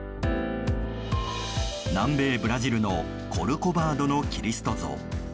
南米ブラジルのコルコバードのキリスト像。